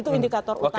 itu indikator utama